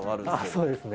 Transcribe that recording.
そうですね。